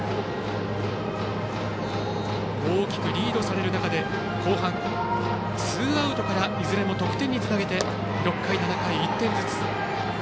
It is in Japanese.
大きくリードされる中で後半ツーアウトからいずれも得点につなげて６回、７回、１点ずつ。